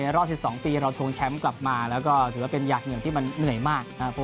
รอบ๑๒ปีเราทวงแชมป์กลับมาแล้วก็ถือว่าเป็นหยาดเหงื่อมที่มันเหนื่อยมากนะครับ